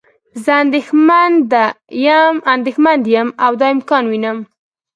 زه اندیښمند یم او دا امکان وینم.